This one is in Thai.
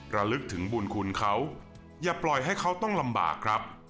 ระลึกถึงบุญคุณเขาอย่าปล่อยให้เขาต้องลำบากครับ